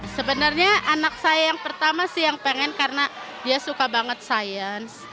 sebenarnya anak saya yang pertama sih yang pengen karena dia suka banget sains